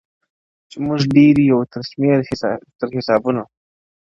چي موږ ډېر یو تر شمېره تر حسابونو-